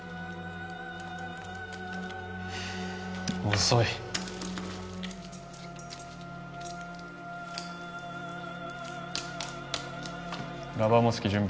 遅いラバーモスキ準備